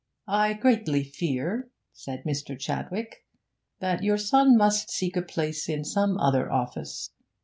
'I greatly fear,' said Mr. Chadwick, 'that your son must seek a place in some other office.